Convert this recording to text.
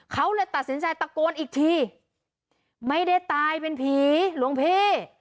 เขาเลยตัดสินใจตะโกนอีกทีไม่ได้ตายเป็นผีหลวงพี่